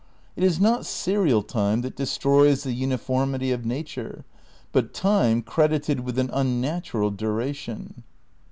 It is not serial time that destroys the uni formity of nature, but time credited with an unnatural duration.